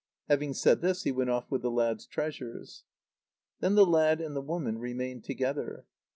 Having said this, he went off with the lad's treasures. Then the lad and the woman remained together.